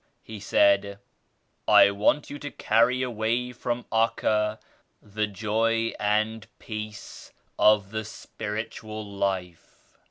He said "I want you to carry away from Acca the joy and peace of the spiritual life."